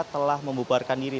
telah membubarkan diri